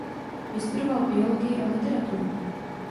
Vystudoval biologii a literaturu.